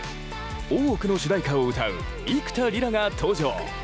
大奥の主題歌を歌う幾田りらが登場。